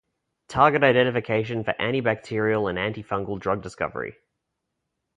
Target Identification for Antibacterial and Antifungal Drug Discovery.